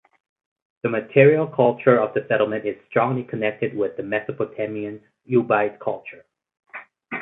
The material culture of the settlement is strongly connected with the Mesopotamian Ubaid Culture.